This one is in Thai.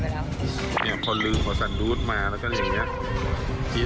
น่าเกลียดมากเลยที